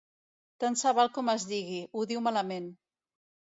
Tant se val com es digui, ho diu malament.